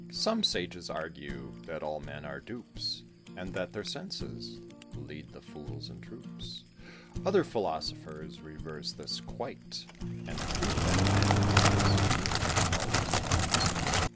Some sages argue that all men are dupes, And that their senses lead the fools in troops; Other philosophers reverse this quite, And prove that man is nearly always right.